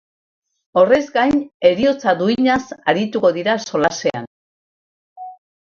Horrez gain, heriotza duinaz arituko dira solasean.